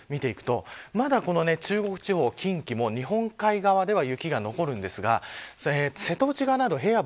まだ、この中国地方、近畿も日本海側では雪が残るんですが瀬戸内側など平野部